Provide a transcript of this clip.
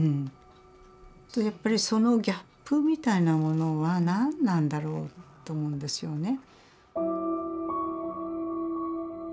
そのギャップみたいなものは何なんだろうと思うんですよね。